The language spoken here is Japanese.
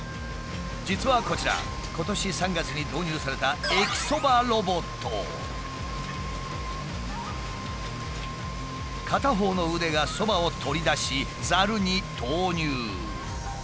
実はこちら今年３月に導入された片方の腕がそばを取り出しざるに投入。